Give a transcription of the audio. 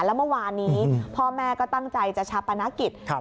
แล้วเมื่อวานนี้พ่อแม่ก็ตั้งใจจะชาปนกิจ